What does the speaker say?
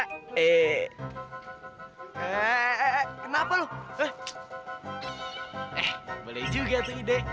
eh eh eh eh eh kenapa lo eh boleh juga tuh ide